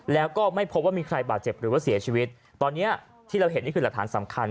แล้วก็ไม่พบว่ามีใครบาดเจ็บหรือว่าเสียชีวิตตอนเนี้ยที่เราเห็นนี่คือหลักฐานสำคัญ